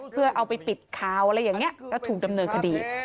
เพื่อเอาไปปิดข่าวอะไรอย่างนี้แล้วถูกดำเนินคดี